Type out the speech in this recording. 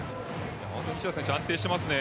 西田選手、安定していますね。